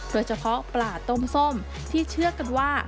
โดยเฉพาะปลาต้มส้มที่เชื่อกันว่า